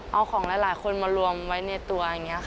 เอาของหลายคนมารวมไว้ในตัวอย่างนี้ค่ะ